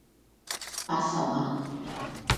八十萬